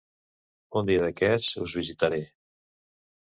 Un dia d'aquests us visitaré...